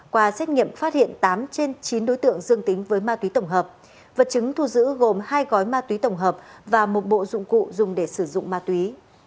qua xét nghiệm phát hiện tám trên chín đối tượng dương tính với ma túy tổng hợp vật chứng thu giữ gồm hai gói ma túy tổng hợp và một bộ dụng cụ dùng để sử dụng ma túy